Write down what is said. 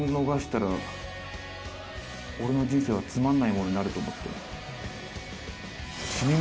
俺の人生はつまんないものになると思って。